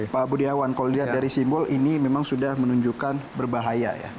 pak budiawan kalau dilihat dari simbol ini memang sudah menunjukkan berbahaya ya